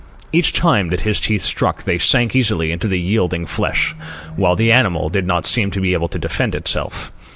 Each time that his teeth struck they sank easily into the yielding flesh, while the animal did not seem able to defend itself.